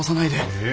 ええ？